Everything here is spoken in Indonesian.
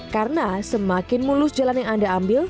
karena semakin mulus jalan yang anda ambil